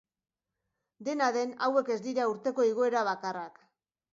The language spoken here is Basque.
Dena den, hauek ez dira urteko igoera bakarrak.